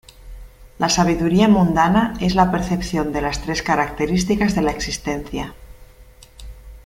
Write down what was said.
La sabiduría mundana es la percepción de las tres características de la existencia.